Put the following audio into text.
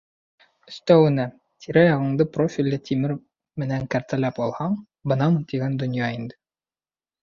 Өҫтәүенә, тирә-яғыңды профилле тимер менән кәртәләп алһаң, бынамын тигән донъя инде!